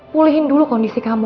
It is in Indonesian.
pulihin dulu kondisi kamu